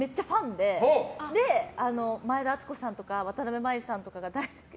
で、前田敦子さんとか渡辺麻友さんとかが大好き。